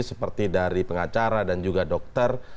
seperti dari pengacara dan juga dokter